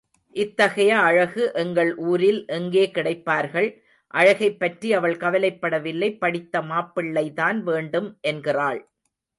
இத்தகைய அழகு எங்கள் ஊரில் எங்கே கிடைப்பார்கள்? அழகைப் பற்றி அவள் கவலைப்படவில்லை படித்த மாப்பிள்ளைதான் வேண்டும் என்கிறாள்.